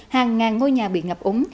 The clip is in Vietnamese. hàng ngàn ngôi nhà bị ngập úng